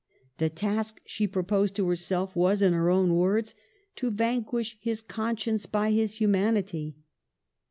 The task she proposed to herself was, in her own words, " to vanquish his conscience by his humanity."